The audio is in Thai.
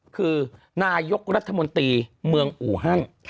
คือนายกรัฐมนตรีเมืองอูฮัน